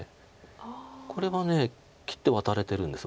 これは切ってワタれてるんです